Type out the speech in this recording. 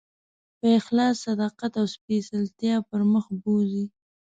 په اخلاص، صداقت او سپېڅلتیا پر مخ بوځي.